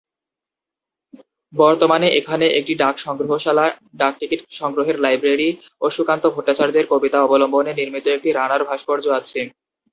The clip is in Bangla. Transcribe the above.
বর্তমানে এখানে একটি ডাক সংগ্রহশালা, ডাকটিকিট সংগ্রহের লাইব্রেরি ও সুকান্ত ভট্টাচার্যের কবিতা অবলম্বনে নির্মিত একটি "রানার" ভাস্কর্য আছে।